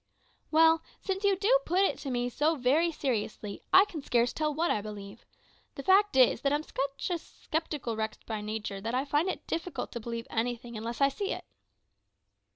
"Well, since you do put it to me so very seriously, I can scarce tell what I believe. The fact is, that I'm such a sceptical wretch by nature that I find it difficult to believe anything unless I see it."